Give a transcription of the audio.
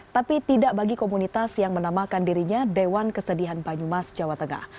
tapi tidak bagi komunitas yang menamakan dirinya dewan kesedihan banyumas jawa tengah